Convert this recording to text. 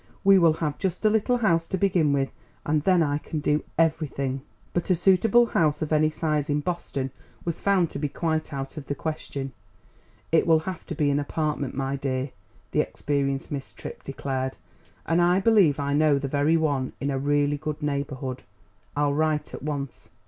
"We will have just a little house to begin with, and then I can do everything." But a suitable house of any size in Boston was found to be quite out of the question. "It will have to be an apartment, my dear," the experienced Miss Tripp declared; "and I believe I know the very one in a really good neighbourhood. I'll write at once.